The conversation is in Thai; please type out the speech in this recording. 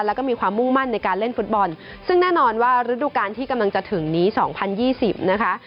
แล้วก็มีความมุ่งมั่นในการเล่นฟุตบอลซึ่งแน่นอนว่าฤดูการที่กำลังจะถึงนี้๒๐๒๐นะคะ